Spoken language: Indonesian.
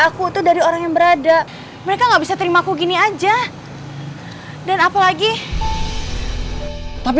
aku tuh dari orang yang berada mereka nggak bisa terimaku gini aja dan apalagi tapi